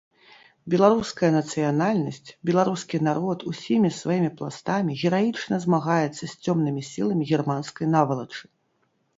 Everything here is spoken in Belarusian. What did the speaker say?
Беларуская нацыянальнасць, беларускі народ усімі сваімі пластамі гераічна змагаецца з цёмнымі сіламі германскай навалачы.